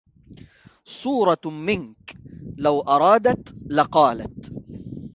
صورة منك لو أرادت لقالت